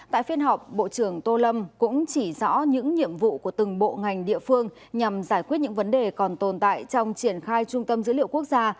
tại phiên họp bộ trưởng tô lâm cũng chỉ rõ những nhiệm vụ của từng bộ ngành địa phương nhằm giải quyết những vấn đề còn tồn tại trong triển khai trung tâm dữ liệu quốc gia